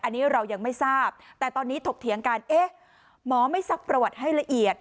อันนี้เรายังไม่ทราบแต่ตอนนี้ถกเถียงกันเอ๊ะหมอไม่ซักประวัติให้ละเอียด